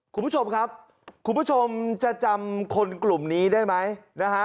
คุณผู้ชมครับคุณผู้ชมจะจำคนกลุ่มนี้ได้ไหมนะฮะ